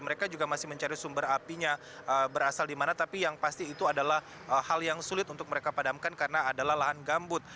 mereka juga masih mencari sumber apinya berasal di mana tapi yang pasti itu adalah hal yang sulit untuk mereka padamkan karena adalah lahan gambut